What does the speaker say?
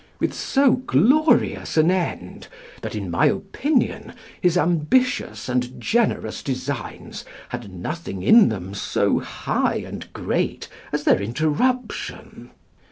] with so glorious an end that, in my opinion, his ambitious and generous designs had nothing in them so high and great as their interruption.